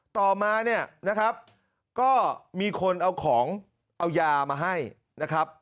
ต่อมาเนี่ยนะครับก็มีคนเอาของเอายามาให้นะครับ